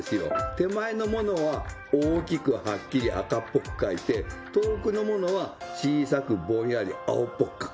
手前のものは大きく・はっきり・赤っぽく描いて遠くのものは小さく・ぼんやり青っぽく描く。